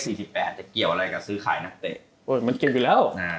จะเกี่ยวอะไรกับซื้อขายนักเตะ